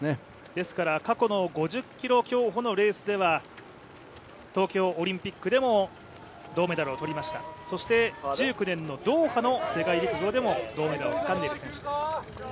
ですから過去の５０ｋｍ競歩のレースでは東京オリンピックでも銅メダルを取りました、そして１９年のドーハの世界陸上でも銅メダルをつかんでいる選手ですね。